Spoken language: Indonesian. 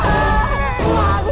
kau mau ngapain